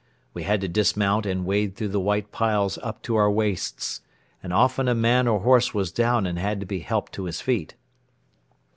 We had to dismount and wade through the white piles up to our waists and often a man or horse was down and had to be helped to his feet.